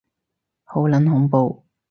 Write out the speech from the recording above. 好撚恐怖